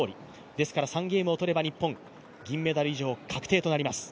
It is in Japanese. ですから３ゲームを取れば日本、銀メダル以上確定となります。